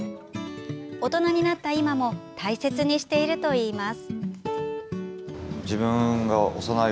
大人になった今も大切にしているといいます。